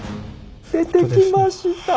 出てきました。